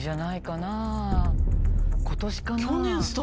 今年かな？